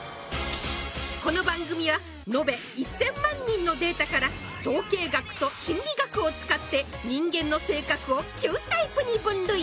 この番組は延べ１０００万人のデータから統計学と心理学を使って人間の性格を９タイプに分類